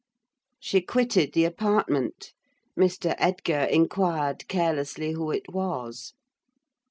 She quitted the apartment; Mr. Edgar inquired, carelessly, who it was.